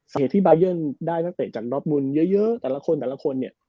สาเหตุที่ได้ตั้งแต่จากรอบบุญเยอะเยอะแต่ละคนแต่ละคนเนี่ย